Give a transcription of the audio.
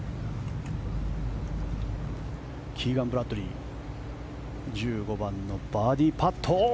キーガン・ブラッドリー１５番のバーディーパット。